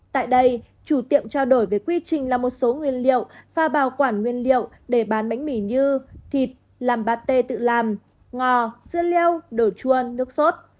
tại đây chủ tiệm trao đổi về quy trình làm một số nguyên liệu và bảo quản nguyên liệu để bán bánh mì như thịt làm pate tự làm ngò dưa leo đồ chuôn nước sốt